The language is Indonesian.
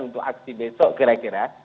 untuk aksi besok kira kira